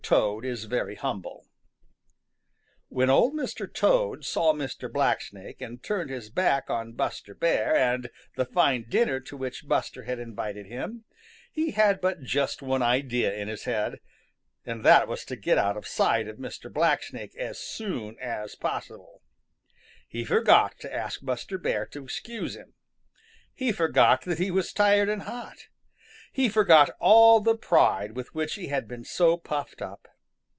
TOAD IS VERY HUMBLE When Old Mr. Toad saw Mr. Blacksnake and turned his back on Buster Bear and the fine dinner to which Buster had invited him, he had but just one idea in his head, and that was to get out of sight of Mr. Blacksnake as soon as possible. He forgot to ask Buster Bear to excuse him. He forgot that he was tired and hot. He forgot all the pride with which he had been so puffed up.